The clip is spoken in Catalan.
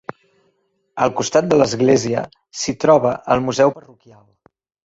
Al costat de l'església s'hi troba el museu parroquial.